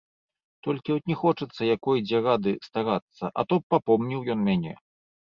Толькі от не хочацца якой дзе рады старацца, а то б папомніў ён мяне.